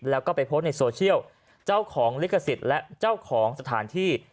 แล้วก็ไปโพสต์ในโซเชียลเจ้าของลิขสิทธิ์และเจ้าของสถานที่